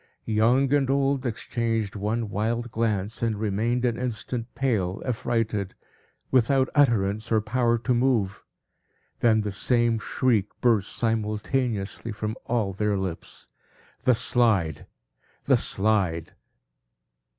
Young and old exchanged one wild glance, and remained an instant, pale, affrighted, without utterance, or power to move. Then the same shriek burst simultaneously from all their lips. "The Slide! The Slide!"